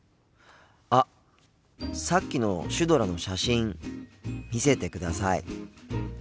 あっさっきのシュドラの写真見せてください。